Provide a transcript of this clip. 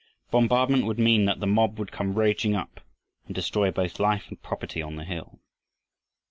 Bombardment would mean that the mob would come raging up and destroy both life and property on the hill.